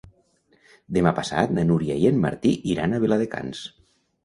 Demà passat na Núria i en Martí iran a Viladecans.